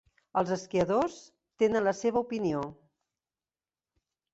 Els esquiadors tenen la seva opinió.